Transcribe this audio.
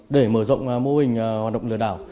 để mở rộng mô hình hoạt động lừa đảo